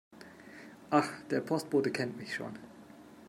Ach, der Postbote kennt mich schon.